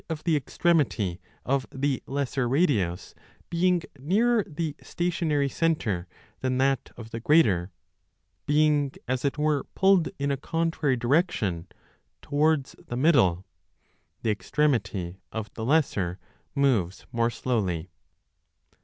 MECHANICA of the extremity of the lesser radius being nearer the stationary centre than that of the greater, being as it were pulled in a contrary direction, towards the middle, 1 the 15 extremity of the lesser moves more slowly.